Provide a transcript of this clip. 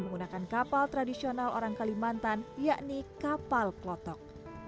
menggunakan kapal tradisional orang kalimantan yakni kapal klotok